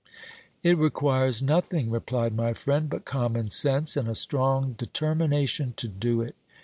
"It requires nothing," replied my friend, "but common sense, and a strong determination to do it.